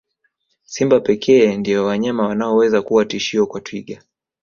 Simba pekee ndio wanyama wanaoweza kuwa tishio kwa twiga